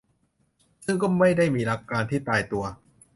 ซึ่งก็ไม่ได้มีหลักการที่ตายตัว